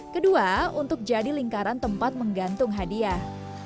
kedua untuk jadi lingkaran tempat menggantung hadiah